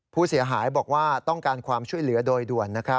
ผู้เสียหายบอกว่าต้องการความช่วยเหลือโดยด่วน